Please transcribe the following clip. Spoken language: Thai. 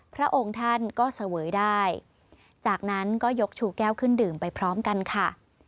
พระองค์ท่านก็เสวยได้จากนั้นก็ยกชูแก้วขึ้นดื่มไปพร้อมกันค่ะ